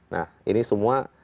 nah ini semua